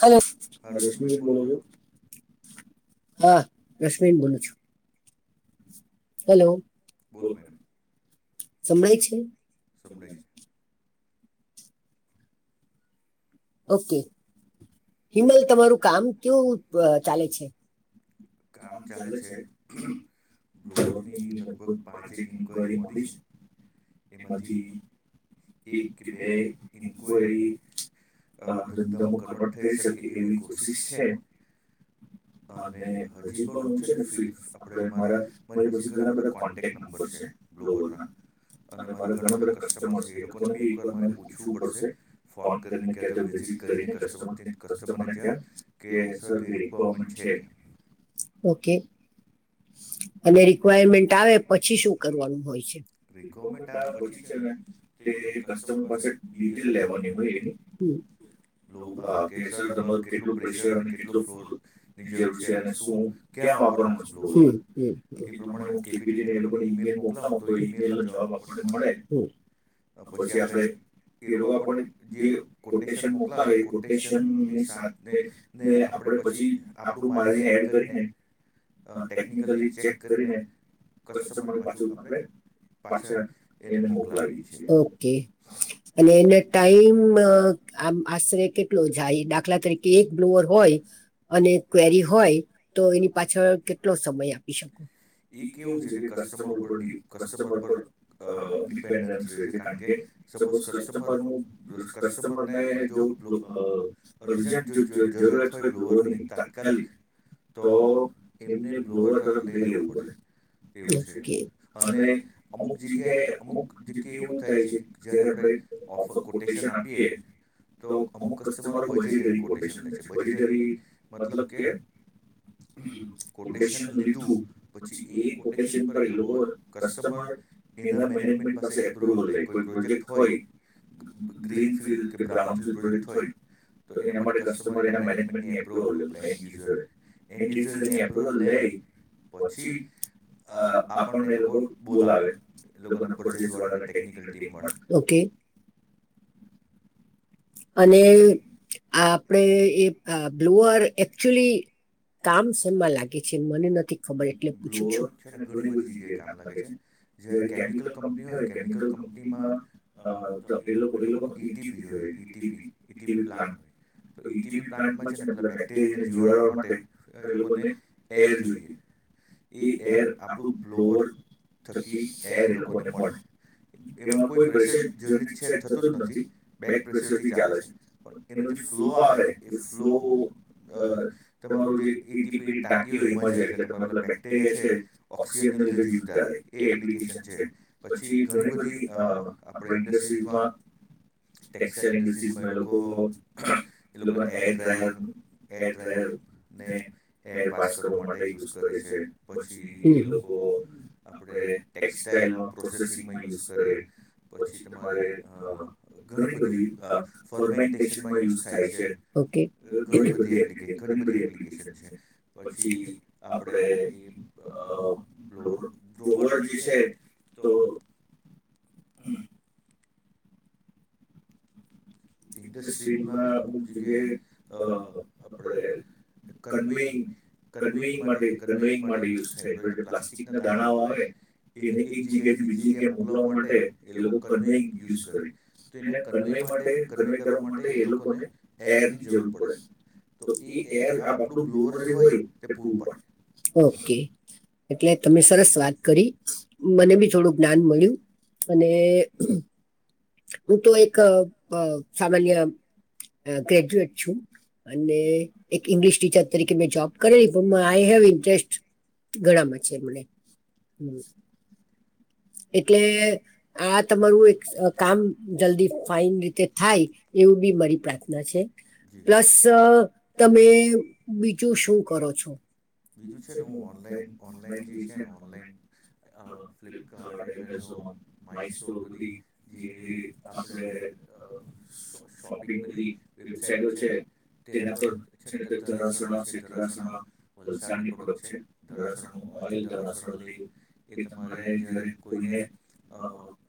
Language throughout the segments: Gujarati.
હાલો, હા રશમિન બોલો છો. હેલો, સમળાઈ છે? સંભળાઈ. ઓકે, હિમલ તમારું કામ કેવું ચાલે છે? તોમ ચાલે છે. જોની લગભગ પાંચ એક ઇન્ક્વાયરી મળી છે. એમાંથી એક બે ઇન્કિવારી ધંધામાં કપટ થઈ શકે એવી કોશિશ છે અને હજી પણ હું છે ને ફી આપણે મારા મારી પછ ઘણા બધા કોન્ટેક્ટ નંબર છે ગ્ગલ ના. મારા પાહે ઘણા બધા કસ્ટમર છે એક વાર મારે પૂછવું પડશે કોલ કરીને. ક્યા તો વિઝિટ કરીને કસ્ટમતે કસ્ટમ ત્યાં કે સભી રિકવાર્મેન્ટ છે? ઓકે. [inaudible] અને રિક્વાયમેન્ટ આવે પછી શું કરવાનું હોય છે? પછી છે ને તે કસ્ટમ પાસે ડિટેલ લેવાની હોય એની. હમ્મ. કે સર તમારે કેટલું પ્રેશર અને કેટલો ફોલ ની જરૂર છે અને શું ક્યાં વાપરવા નો મસલો, હં, હં. [unintelligible] ઈમેલ મોકલા નતો એ ઈમેલ ના જવાબ આપડે મળે. પસી આપણે તેડવા પણ જીએ. કોટેશન મોકલાવે કોટેશન ની સાથે ને આપણેે પસી આપડું માળેઈને એડ કરી ને અ ટેક્નીકલી ચેક કરીને કસ્ટર પાછું પાસા એને મોકલાવીએ છીએ, ઓકે અને એના ટાઈમ આમ આશરે કેટલો જાય દાખલા તરીકે એક બ્લુઅર હોય અને ક્વેરી હોય તો એની પાછળ કેટલો સમય આપી શકો? એ કેવું છે કે કસ્ટમર ઉપર ડિ કસ્ટમર પર અ ડિપેન્ડેન્સ રે છે કારણ કે સપોઝ કસ્ટમરનું બ્રસ કસ્ટમર અને જો બ્લોઅ અર્જન્ટ જો જરૂરિયાત હોય બ્લોઅરની તાત્કાલિક તો એમને બ્લોવ તરત લઇ લેવું પડે. તેવું છે અને અમુક જગ્યાએ અમુક જગક યાએ એવું થાય છે કે જયારે આપણે ઓફ કોટેશન આપીએ તોક અમુક કસ્ટમરો બજેટરી કોટેશન લે છે બજેટરી મતલબ કે ઓકેશનલી ટુ પછી એ કોટેક્શન પર એ લોકો કસ્ટમર એના મેનેજમેન્ટ પાસે એપ અપ્રુવલ લેઈ કોઈ પ્રોજેક્ટ હોય ગ્રીન ફિલ્ડ કે બ્રાઉન ફિલ પ્રોજેક્ટ હોય તો એના માટે કસ્ટમર એના મેનેજમેન્ટની એપ્રુવલ લેવું પરે એન ગીઝર એન નીઝ એની એપ્રુવલ લઈ પછી અ આપણને એ લોકો બોલાવે એ લોકોના પરજેસવાળા ને ટેકનિકલ ટીમવાળા [inaudible] અને આ આપડે એક બ્લુઆર એકચુલી કામ શોમ્બા લાગે છે મને નથી ખબર એલે પુછું છું [unintelligible] જે એ કેમિકલ કંપની હોય કેમિકલ [unintelligible] અં જો એ લોકો એ લોકોને બીટીપી હોય બીટીપી પ્લાન અરીતીવી પ્લાન્ટ મા છે ને બ્લ બેક્ટેરિયા ને જીવારવા માટે [unintelligible] લોકોને એર જોઈએ. એ એર આપણું ગ્લોવર થકી એર એ લોકો ને મળે એમાં કોઈ પ્રેસ જનેત છે થતું જ નથી. બેક પ્રેશરથી ચાલે છે પણ એનો જે ફ્લો આવે એ ફ્લો અ તમારું જે એટીપે ટાંકી હોય એમા જાય એટલે તમાર મતલબ બેક્ટેરિયા છે ઓક્સિજને લીધે જીવતા રેય એ એપ્લિકેશન છે. પછી ઘણી બધી અ આપણે ઇન્ડસ્ટ્રીઝમાં ટેક્સલ ઇન્ડસીઝમાં એ લોકો એ લોકોને એર ડ્રાયરનુ એ ડ્રાયરને એર પાસ કરવા માટે યુઝ ક કરે છે પછી એ લોકો આપણે ટેક્સટાઈલમાં પ્રોસેસિંગમાં યુશ કરે પછી તમારે અ ઘણી બધી અ ફોર્મેન્ટેશનમાં યુશ થાય શે ઘણી બધી એપ્લિ કે ઘણી બધી એપ્લિકેશન છે પછી આપડે એ અ બોવર બ્રોવર જે છે તો ઇન્ડસ્ટ્રીના અમુક જગ્યાએ અ આપણે કન્વિંગ કન્વેઈંગ માટે કન્વેઈંગ માટે યુઝ થાય પછી જે પ્લાસ્ટિકના દાણાઓ આવે એને એક જગ્યાએથી બીજી જગ્યાએ મોકલાવા માટે એ લોકો કન્વે યુઝ કરે. તો એને કન્વે માટે કન્વે કરવા માટે એ લોકોને એરની જરૂર પડે! તો એ એર આપ આપણું બ્લોઅર જે હોય તે પૂરું પાડે ઓકે. એટલે તમે સરસ વાત કરી મને બી થોડું જ્ઞાન મળ્યું અને હું તો એક અ સામાન્ય ગ્રેજ્યુએટ છું અને એક ઇંગ્લિશ ટીચર તરીકે મેં જોબ કરેલી નહી પણ આઈ હેવ ઇન્ટરેસ્ટ ઘણામાં છે મને એટલે આ તમારું એક અ કામ જલ્દી ફાઈન રીતે થાય એવું બી મારી પ્રાર્થના છે. પ્લસ તમે બીજું શું કરો છો? બીજું છે ને હું ઓનલાઈન ઓનલાઈન જે છે ને ઓનલાઈન અ ફ્લિપ આ ટાઈમ જો એમેઝોન માય સ્ટોર બધી જે આપણે શ શોપિંગ બધી વેબસાઇટો છે. તેના પર છે ને તે ધરાસણા છે ધરાસણા વલસાડની પ્રોડક્ટ છે. ધરાસણાનું ઓઇલ ધરાસણા લેપ એ તમારે જ્યારે કોઈને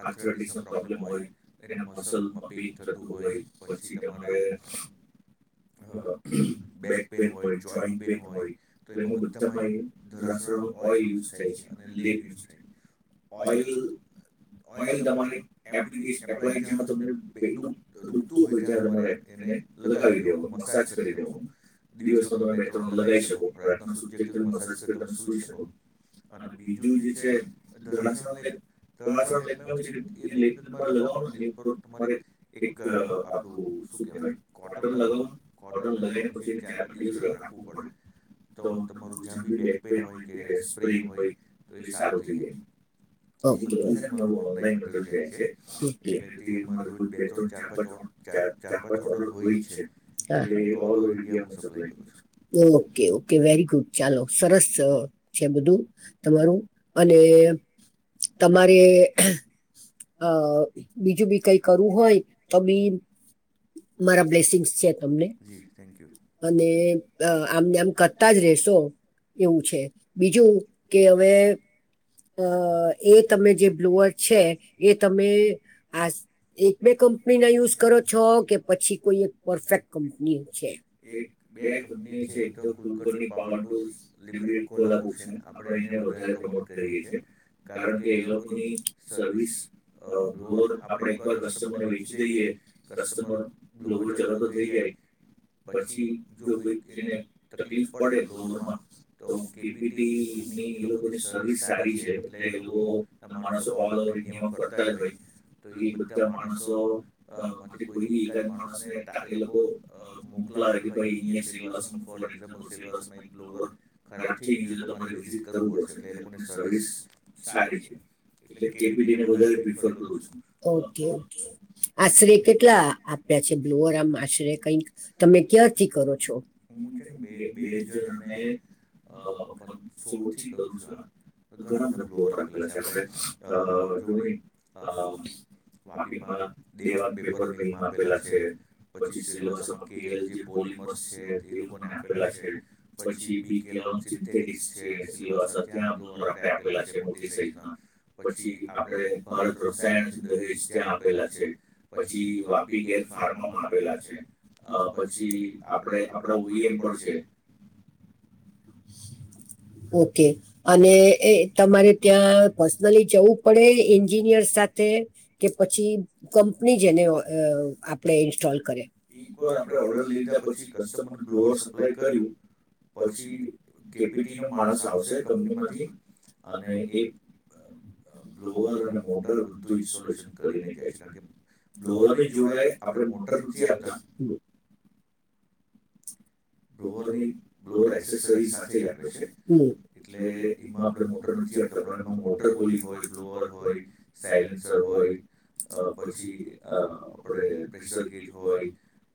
આર્થરેટસનો પ્રો પ્રોબ્લેમ હોય, એને મસલમાં પેઇન થતું હોય, પછી તમારે હા બેક પેન હોય, જોઈન્ટ પેન હોય, તો એમાં બધામાં એ ધરાશળાનો ઓઈલ યુઝ થાય છે. અને લેપ યુઝ થાય. ઓઇલ ઓઇલ તમારે એપ્લિકેશ એપ્લાય જ્યાં તમને પ દુકતું હોય ત્યાં તમારે એપ એને લગાવી દેવાનું મસાજ કરી દેવાનું. દિવસમાં તમે બે ત્રણ લગાવી શકો. રાત ના સૂતી વખતે તમે મસાજ કરીને તમે સૂઈ શકો. અને બીજું જે છે ધરાશળ લેપ ધરાશળ લેપમાં એવું છે કે એ લેપને તમારે લગાવવાનો એની ઉપર તમારે એક આપણું શું કેહેવાય કોટન લગાવવાનું. કોટન લગાવીને પછી એને ચાર પાંચ દિવસ રાખવું પડે. તો તમારું જ્યાં બી બેકપેન હોય કે સ્પ્રેન હોય તો એ સારું થઈ જાય. એ બધું છે ને મારું ઓનલાઈન મટીર જાય છે, એટલે તે અમારે રોજ બે ત્રણ ચાર પાંચ ચાર પાંચ ઓર્ડર હોય જ છે. એટલે ઓલ ઓવર ઇન્ડિયા હું સપ્લાય કરું છું. ઓકે ઓકે વેરી ગુડ ચાલો સરસ છે બધું તમારું. અને તમારે અ બીજું બી કઈ કરવું હોય તો બી મારા બ્લેસિંગ્સ છે તમને. અને આમને આમ કર તાજ રેશો એ. એવું છે. બીજું કે હવે, અ એ તમે જે બ્લુઅર છે. એ તમે આ એક બે કંપનીના યુઝ કરો છો? કે પછી કોઈ એક પરફેક્ટ કંપનીઓ છે? એક બે કંપનીઓ છે, એક તો કુલકની પાવર ડોઝ એવી એક કોલાપુર છે. આપડે અહિયાં વધારે પ્રમોટ થઈ ગઈ છે. કારણ કે એ લોકોની સર્વિસ લોર આપણેે એકવાર કસ્ટમરને વેચી દઈએ. કસ્ટમર લોર ચલાતો થઈ જાય. પછી જો કોઈ જેને તકલીફ પડે ધવરમાં તો [unintelligible] લોકોની સર્વિસ સારી છે. એટલે લોકો તમારા ઓલ ઓવર ઇન્ડિયામાં ફરતા જ હોય. તો એ બધા માણસો માટે કોઈ બી એકાદ માણસને તાકે લોકો મોકલાવે કે ભાઈ અહીંયા સિલેબસ ફોર એક્ઝામ્પલ સિલેબસમાં ઇન્ક્લુએડ આજે તમારે વિઝિટ કરજો. આમ સર્વિસ સારી છે. એટલે કેપીટી ને ઓકે. આશરે કેટલા આપ્યા છે બ્લુરમ આમ આશરે? કંઈક તમે ક્યારથી કરો છો? [inaudible] હા, [unintelligible] ઘણા બધા ફ્લેવર આપેલા છે, આપણે અ [inaudible] વાપીમાં દેવાન પેપર એમ આપેલા છે. પછી સિલેવાસમાં [inaudible] પોલીમર છે એ લોકોને આપેલા છે. પછી બી કેલો સિન્થેટિક્સ છે. [inaudible] ત્યાં આપે આપેલા છે મોટી સાઈઝના. પછી આપડે ભળત રસાયણ દહેજ ત્યાં આપેલા છે, પછી વાપી ગેલ ફાર્મમાં આવેલા છે. હા પછી આપડે આપડા ઉનય પણ છે. ઓકે. અને એ તમારે ત્યાં પર્સનલી જવું પડે એન્જિનિયર સાથે... કે પછી કંપની એને આપણે ઇન્સ્ટોલ કરે... એકવાર આપણે ઓર્ડર લીધા પછી કસ્ટમરને બ્લોઅર સપ્લાય કર્યું, પછી... કેપીટીનો માણસ આવશે કંપનીમાંથી અને એ... બ્લોઅર અને મોટર બધું ઇન્સ્ટોલેશન કરીને જાય છે કારણ કે... બ્લોઅરની જોડે આપણે મોટર નથી આપતા... હા. [inaudible] બ્લોઅરની બ્લોઅર એસેસરી સાથે જ આવે છે, એટલે... એમાં આપણે મોટર નથી આપતા પણ એમાં મોટરપોલી હોય બ્લોઅર હોય સાયલેન્સર હોય. અ પછી અ આપણે પ્રેશર [unintelligible] હોય.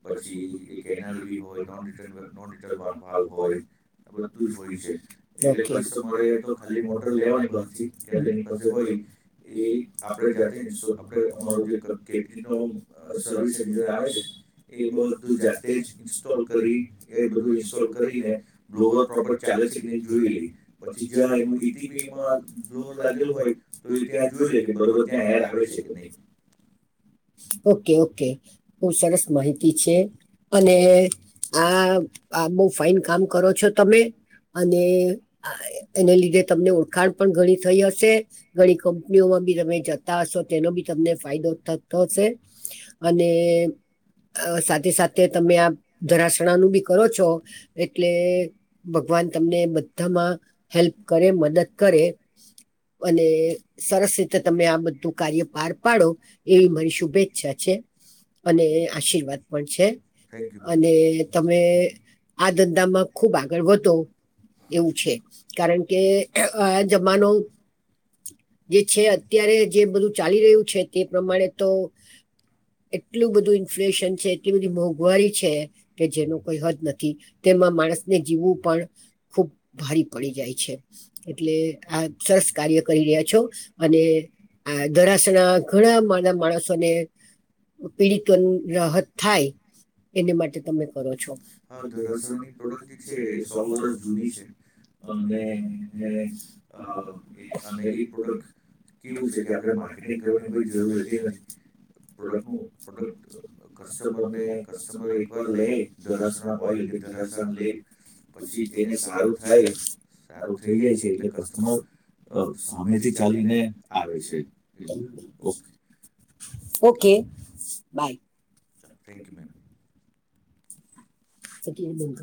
પછી એક એન આર વી હોય. હા. નોન ડિટલવાલ વાલ હોય. આ બધું જ હોય છે એટલે કસ્ટમરે તો ખાલી મોટર લેવાની બહારથી ક્યાં તો એની પાસે હોય. એ આપણે જાતે જ ઇન્સ્ટોલ આપણે અમારો જે કેપીટીનો સર્વિસ એન્જિન આવે છે. એ બધું જાતે જ ઇન્સ્ટોલ કરી... એ બધું ઇન્સ્ટોલ કરીને બ્લોવર પ્રોપર ચાલે છે કે નહી એ જોઈ લે પછી જ્યાં એનું ઇટીપીમાં... બ્લોવર લાગેલું હોય તો એ ત્યાં જોઈ લે કે બરોબર ત્યાં એર આવે છે કે નહીં? ઓકે, ઓકે [unintelligible] સરસ માહિતી છે અને... આ આ બહુ ફાઈન કામ કરો છો, તમે અને... એને લીધે તમને ઓળખાણ પણ ઘણી થઈ હશે ઘણી કંપનીઓમાં બી તમે જ... તા હશો તેનો બી તમને ફાયદો થતો હશે અને... અ સાથે-સાથે તમે આમ ધરાશણાનું બી કરો છો એટલે ભગવાન તમને બધામાં... હેલ્પ કરે, મદદ કરે. અને સરસ રીતે તમે આ બધું કાર્ય પાર પાડો એવી મારી શુભેચ્છા છે. [unintelligible] પણ છે અને તમે આ ધંધામાં ખુબ આગળ વધો. એવું છે કારણ કે આ જમાનો એ છે અત્યારે જે બધું ચાલી રહ્યું છે તે પ્રમાણે તો એટલું બધું ઇન્ફ્લેશન છે એટલી બધી મોંઘવારી છે કે જેનું કોઈ હદ નથી તેમાં માણસને જીવવું પણ ખુબ ભારી પડી જાય છે એટલે આ સરસ કાર્ય કરી રહ્યા છો અને આ ધરાશના ઘણા માંદા માણસોને પીડિતો રાહત થાય હા ધરાસણાની પ્રોડક્ટ છે એ સો વરસ જૂની છે અને અ [unintelligible] પ્રોડક્ટ કેવું છે કે આપણે માર્કેટિંગ કરવાની કોઈ જરૂર રહેતી નથી પ્રોડક્ટનું પ્રોડક્ટ કસ્ટમરને એક કસ્ટમર એકવાર લે ધરાસણા ઓઇલ કે ધરાસણા લેપ પછી એને સારું થાય સારું થઈ જાય છે એટલે કસ્ટમર તો સામેથી ચાલીને આવે છે ઓકે ઓકે બાય ચાલ થેન્ક યુ મેમ [unintelligible]